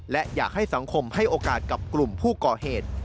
และอยากให้สังคมให้โอกาสกับกลุ่มผู้ก่อเหตุ